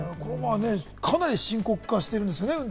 かなり深刻化してるんですよね。